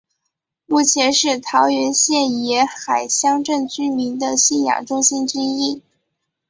目前是桃园县沿海乡镇居民的信仰中心之一。